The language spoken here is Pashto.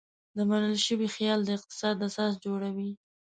دا منل شوی خیال د اقتصاد اساس جوړوي.